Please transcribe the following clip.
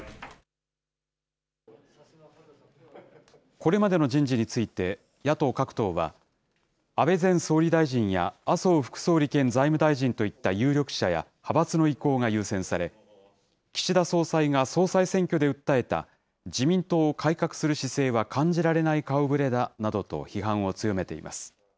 これまでの人事について、野党各党は、安倍前総理大臣や麻生副総理兼財務大臣といった有力者や派閥の意向が優先され、岸田総裁が総裁選挙で訴えた自民党を改革する姿勢は感じられない顔ぶれだなどと批判を強めています。